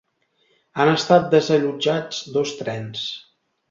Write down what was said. Han estat desallotjats dos trens.